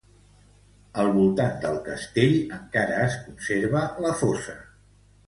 Al voltant del castell encara es conserva la fossa.